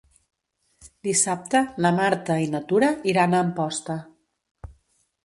Dissabte na Marta i na Tura iran a Amposta.